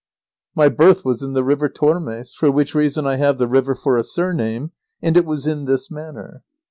My birth was in the river Tormes, for which reason I have the river for a surname, and it was in this manner.